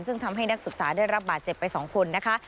ซึ่งทำให้นักศึกษาได้รับบาดเจ็บไป๒คนนะคะ